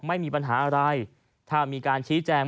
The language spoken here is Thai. ไม่มีปัญหาอะไรถ้ามีการชี้แจง